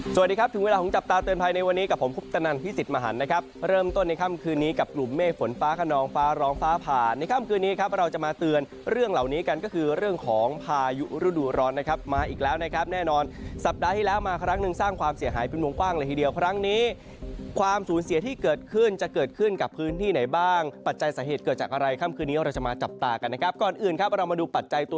สวัสดีครับถึงเวลาของจับตาเตือนภัยในวันนี้กับผมคุณตนั่นพิสิทธิ์มหันต์นะครับเริ่มต้นในค่ำคืนนี้กับกลุ่มเมฝนฟ้าขนองฟ้าร้องฟ้าผ่านในค่ำคืนนี้ครับเราจะมาเตือนเรื่องเหล่านี้กันก็คือเรื่องของพายุรุ่นร้อนนะครับมาอีกแล้วนะครับแน่นอนสัปดาห์ที่แล้วมาครั้งหนึ่งสร้างความเสียหายเป็นว